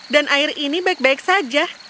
dan air ini baik baik saja